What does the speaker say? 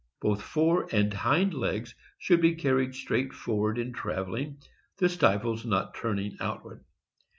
Both fore and hind legs should be carried straight forward in traveling, the stifles not turning outward.